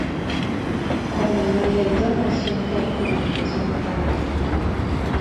Juan Manuel Leyton nació en Cali, donde empezó a jugar al fútbol.